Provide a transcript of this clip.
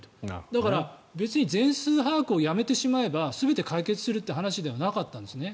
だから、別に全数把握をやめてしまえば全て解決するっていう話ではなかったんですね。